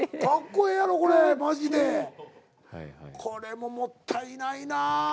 これももったいないなぁ。